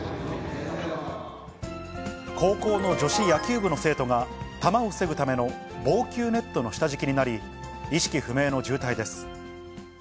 高校の女子野球部の生徒が、球を防ぐための防球ネットの下敷きになり、意識不明の重体です。